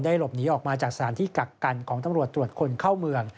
หลบหนีออกมาจากสถานที่กักกันของตำรวจตรวจคนเข้าเมือง